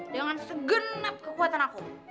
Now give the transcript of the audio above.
dengan segenap kekuatan aku